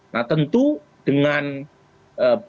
nah tentu dengan posisi